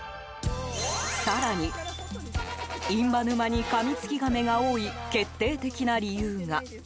更に、印旛沼にカミツキガメが多い決定的な理由が。